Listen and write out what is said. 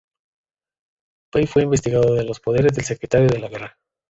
Pey fue investido de los poderes del secretario de la guerra.